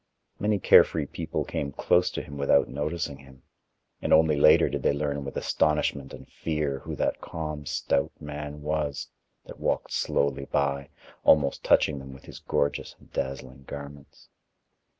Many carefree people came close to him without noticing him, and only later did they learn with astonishment and fear who that calm stout man was, that walked slowly by, almost touching them with his gorgeous and dazzling garments.